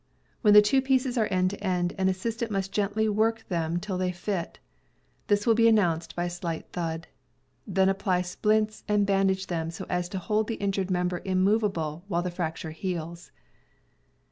When the two pieces are end to end, an assistant must gently work them till they fit. This will be an nounced by a slight thud. Then apply splints, and bandage them so as to hold the injured member immov able while the fracture heals.